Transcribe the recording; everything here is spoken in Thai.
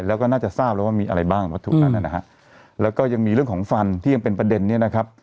แล้วก็น่าจะทราบแล้วว่ามีอะไรบ้างวัตถุนั้นนะฮะแล้วก็ยังมีเรื่องของฟันที่ยังเป็นประเด็นนี้นะครับ